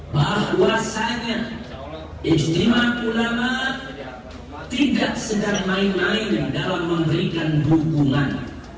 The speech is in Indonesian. bahwasannya ijtima ulama tidak segera main main dalam memberikan dukungan